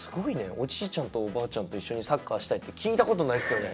おじいちゃんとおばあちゃんと一緒にサッカーしたいって聞いたことないっすよね。